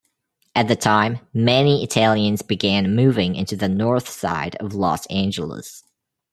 At the time, many Italians began moving into the north side of Los Angeles.